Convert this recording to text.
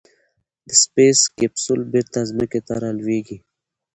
د سپېس کیپسول بېرته ځمکې ته رالوېږي.